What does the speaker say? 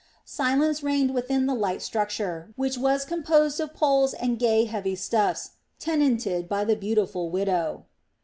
Silence reigned within the light structure, which was composed of poles and gay heavy stuffs, tenanted by the beautiful widow.